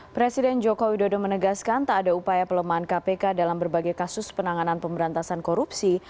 presiden joko widodo menegaskan tak ada upaya pelemahan kpk dalam berbagai kasus penanganan pemberantasan korupsi